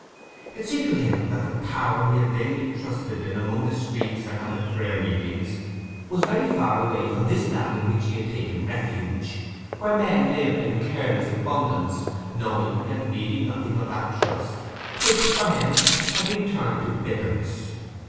It seemed to him that the Power he had vainly trusted in among the streets and at the prayer meetings, was very far away from this land in which he had taken refuge, where men lived in careless abundance, knowing and needing nothing of that trust, which, for him, had been turned to bitterness.